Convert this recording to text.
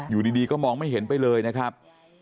อยู่ดีก็มองไม่เห็นไปเลยนะครับ